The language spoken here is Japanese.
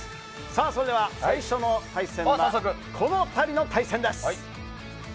それでは、最初の対戦はこの２人の対戦です！